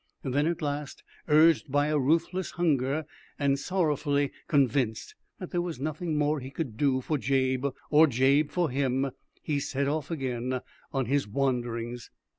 Then at last, urged by a ruthless hunger, and sorrowfully convinced that there was nothing more he could do for Jabe or Jabe for him, he set off again on his wanderings.